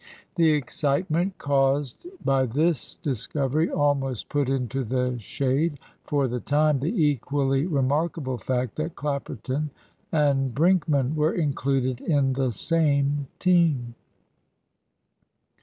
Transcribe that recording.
The excitement caused by this discovery almost put into the shade for the time the equally remarkable fact that Clapperton and Brinkman were included in the same team.